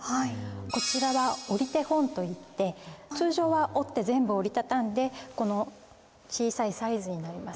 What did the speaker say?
こちらは折手本といって通常は折って全部折り畳んでこの小さいサイズになります。